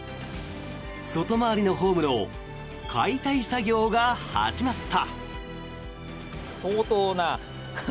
外回りのホームの解体作業が始まった。